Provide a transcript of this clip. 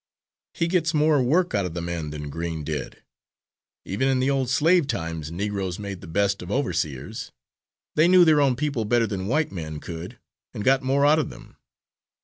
He gets more work out of the men than Green did even in the old slave times Negroes made the best of overseers; they knew their own people better than white men could and got more out of them.